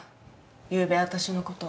ゆうべ私の事を。